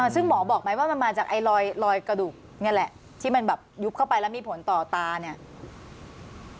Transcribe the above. ซึ่งหมอบอกไหมว่ามันมาจากไอ้รอยกระดูกนี่แหละที่มันแบบยุบเข้าไปแล้วมีผลต่อตาเนี่ย